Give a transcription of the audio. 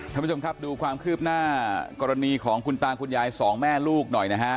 ท่านผู้ชมครับดูความคืบหน้ากรณีของคุณตาคุณยายสองแม่ลูกหน่อยนะฮะ